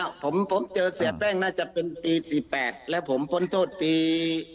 ค่ะผมตรงเจอเสื้อแป้งน่าจะเป็นปี๑๘แล้วผมพ้นโทษปี